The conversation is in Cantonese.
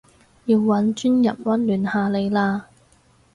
要搵專人溫暖下你嘞